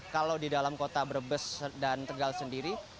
kalau di dalam kota brebes dan tegal sendiri